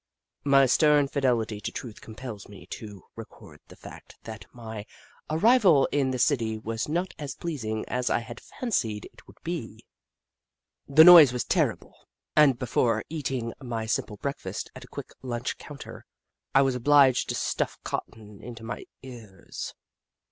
My stern fidelity to truth compels me to record the fact that my arrival in the city was not as pleasing as I had fancied it would be. The noise was terrible, and before eat ing my simple breakfast at a quick lunch coun ter, I was obliged to stuff cotton into my ears.